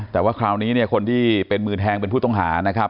แต่ว่าคราวนี้เนี่ยคนที่เป็นมือแทงเป็นผู้ต้องหานะครับ